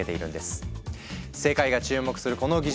世界が注目するこの技術